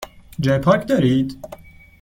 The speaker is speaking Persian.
جای پارک دارید؟